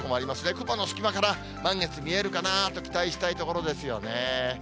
雲の隙間から満月見えるかなと期待したいところですよね。